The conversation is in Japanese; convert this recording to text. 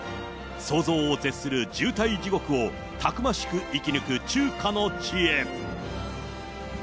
想像を絶する渋滞地獄をたくましく生き抜く中華の知恵。